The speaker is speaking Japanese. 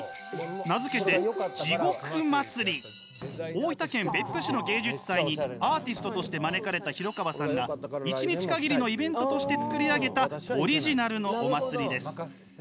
名付けて大分県別府市の芸術祭にアーティストとして招かれた廣川さんが、１日限りのイベントとして作り上げたオリジナルのお祭りです。